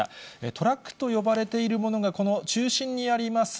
トラックと呼ばれているものが、この中心にあります